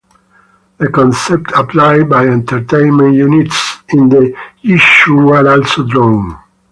The concept applied by entertainment units in the Yishuv were also drawn.